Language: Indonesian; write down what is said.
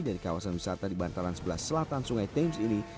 di kawasan wisata di bantalan sebelah selatan sungai thames ini